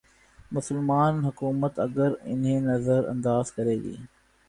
مسلماںحکومت اگر انہیں نظر انداز کرے گی۔